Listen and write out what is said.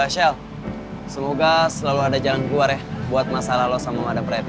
shell semoga selalu ada jalan keluar ya buat masalah lo sama madang preti